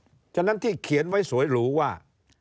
เพราะฉะนั้นที่เขียนไว้สวยหรูว่า